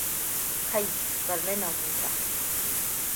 Kai, bar ni na huta.